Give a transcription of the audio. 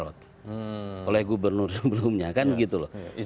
oleh gubernur sebelumnya kan gitu loh